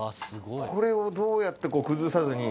これをどうやって崩さずに。